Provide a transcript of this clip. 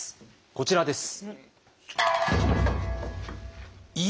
こちらです。